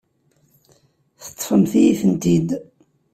Teṭṭfemt-iyi-tent-id.